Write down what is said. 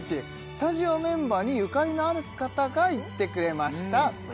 スタジオメンバーにゆかりのある方が行ってくれました